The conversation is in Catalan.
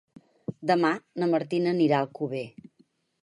Demà na Martina anirà a Alcover.